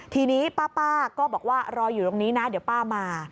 ทีนี้ป้าก็บอกว่ารออยู่ตรงนี้นะเดี๋ยวป้ามา